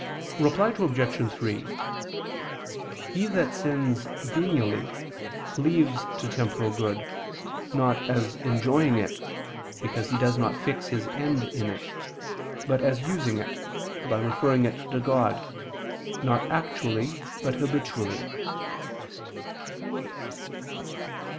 Reply Obj. 3: He that sins venially, cleaves to temporal good, not as enjoying it, because he does not fix his end in it, but as using it, by referring it to God, not actually but habitually.